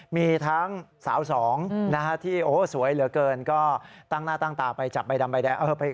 มีทั้งสาวสองที่โอ้โหสวยเหลือเกินก็ตั้งหน้าตั้งตาไปจับใบดำใบแดง